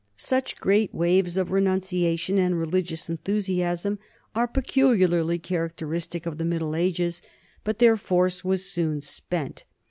Such great waves of renunciation and religious enthusiasm are peculiarly characteristic of the Middle Ages, but their force was soon spent.